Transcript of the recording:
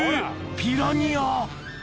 ピラニア！？